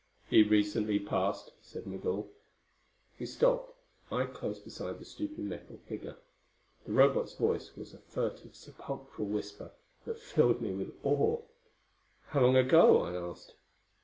"He recently passed," said Migul. We stopped, I close beside the stooping metal figure. The Robot's voice was a furtive sepulchral whisper that filled me with awe. "How long ago?" I asked.